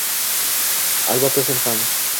albatta men ham.